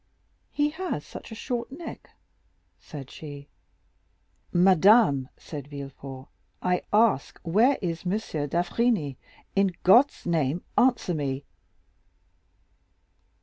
"He has such a short neck," said she. "Madame," said Villefort, "I ask where is M. d'Avrigny? In God's name answer me!"